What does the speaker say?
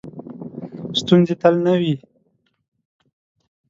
ستونزې تل نه وي .